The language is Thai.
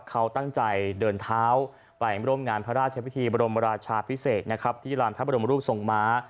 เขาตั้งใจเดินเท้าไปร่วมงานพระราชพิธีบรมราชาพิเศษนะครับที่ลานพระบรมรูปทรงม้า